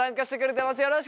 よろしく。